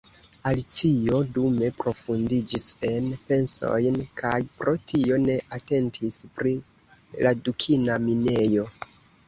Alicio dume profundiĝis en pensojn, kaj pro tio ne atentis pri la dukina minejo.